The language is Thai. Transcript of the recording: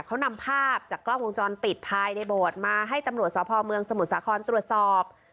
เขานำภาพจากกล้องวงจรปิดภายในโบสถ์มาให้ตำรวจสพเมืองสมุทรสาครตรวจสอบ